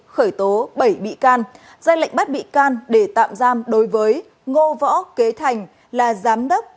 khởi tố bảy bị can ra lệnh bắt bị can để tạm giam đối với ngô võ kế thành là giám đốc